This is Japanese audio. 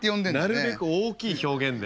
なるべく大きい表現で。